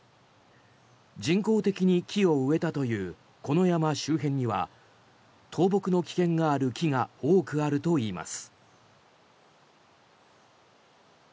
人工的に木を植えたというこの山周辺には倒木の危険がある木が多くあるといいます。